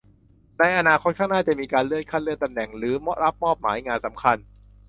ในอนาคตข้างหน้าจะมีการเลื่อนขั้นเลื่อนตำแหน่งหรือรับมอบหมายงานสำคัญ